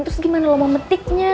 terus gimana lo mau metiknya